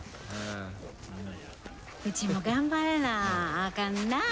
うちも頑張らなあかんな